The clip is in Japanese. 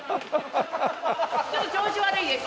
ちょっと調子悪いです。